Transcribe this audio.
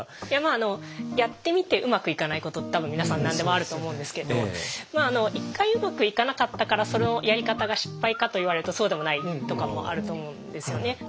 いやまああのやってみてうまくいかないことって多分皆さん何でもあると思うんですけどまあ１回うまくいかなかったからそのやり方が失敗かと言われるとそうでもないとかもあると思うんですよね。